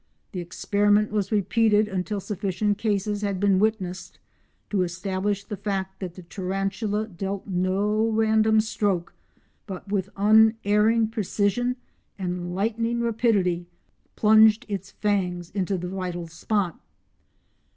The experiment was repeated until sufficient cases had been witnessed to establish the fact that the tarantula dealt no random stroke but with unerring precision and lightning rapidity plunged its fangs into the vital spot.